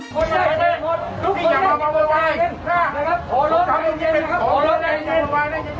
พ่อที่แล้วก็ทีหนึ่งนี้ก็จัดคุณทุกศัตรูครับ